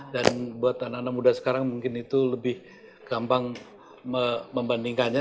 dan buat anak anak muda sekarang mungkin itu lebih gampang membandingkannya